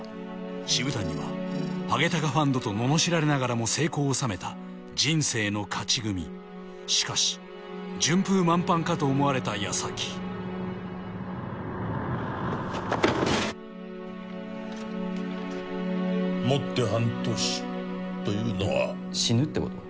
渋谷はハゲタカファンドと罵られながらも成功を収めた人生の勝ち組しかし順風満帆かと思われたやさきもって半年というのは死ぬってこと？